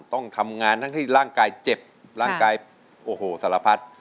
ต้องทำงานทั้งที่ร่างกายเจ็บร่างกายโอ้โหสารพัด